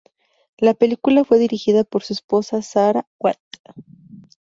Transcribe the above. La película fue dirigida por su esposa Sarah Watt.